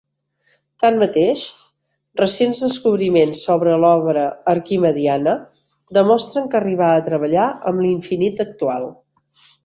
Tanmateix, recents descobriments sobre l’obra arquimediana demostren que arribà a treballar amb l’infinit actual.